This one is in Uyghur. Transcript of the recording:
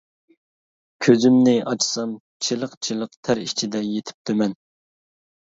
كۆزۈمنى ئاچسام چىلىق-چىلىق تەر ئىچىدە يېتىپتىمەن.